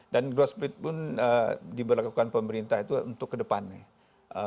dan growth speed pun diberlakukan pemerintah itu untuk kedepannya